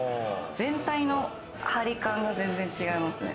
全体の張り感が全然違いますね。